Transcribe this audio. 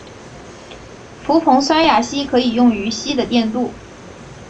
氟硼酸亚锡可以用于锡的电镀。